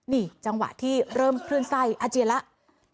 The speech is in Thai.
นี่จังหวะที่เริ่มคลื่นไส้อาเจียนแล้ว